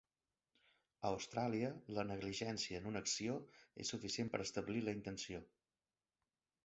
A Austràlia, la negligència en una acció és suficient per establir la intenció.